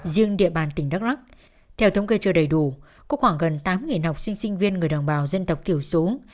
riêng địa bàn tỉnh đắk lắc theo thống kê chưa đầy đủ có khoảng gần tám học sinh sinh viên người đồng bào dân tộc thiểu số